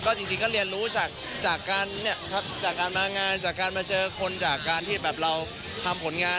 จริงก็เรียนรู้จากการมางานจากการมาเจอคนจากการที่แบบเราทำผลงาน